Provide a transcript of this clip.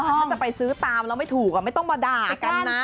ถ้าจะไปซื้อตามแล้วไม่ถูกไม่ต้องมาด่ากันนะ